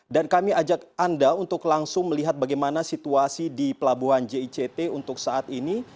dan kami ajak anda untuk langsung melihat bagaimana situasi di pelabuhan jict untuk saat ini